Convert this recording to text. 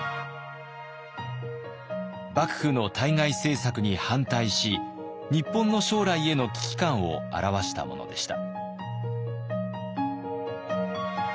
幕府の対外政策に反対し日本の将来への危機感を著したものでした。